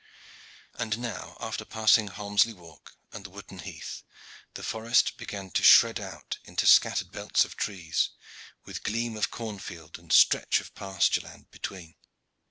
And now after passing Holmesley Walk and the Wooton Heath, the forest began to shred out into scattered belts of trees, with gleam of corn field and stretch of pasture land between.